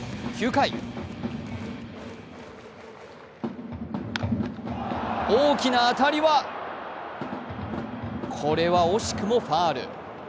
９回大きな当たりはこれは惜しくもファウル。